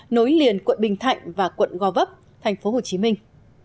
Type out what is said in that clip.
nối liền quận bình thạnh và quận gò vấp thành phố hồ chí minh